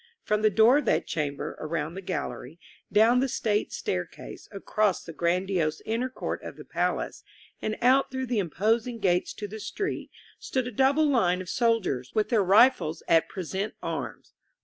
From the door of that chamber, around the gallery, down the state staircase, across the grandiose inner court of the palace, and out through the imposing gates to the street, stood a double line of sol diers, with their rifles at present arms.